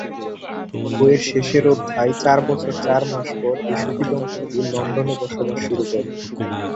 বইয়ের শেষের অধ্যায়ে চার বছর চার মাস পর এই সুখী দম্পতি লন্ডনে বসবাস শুরু করে।